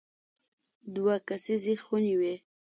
دوه کسیزه خونې وې.